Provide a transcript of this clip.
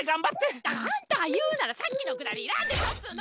あんたがいうならさっきのくだりいらんでしょっつうの。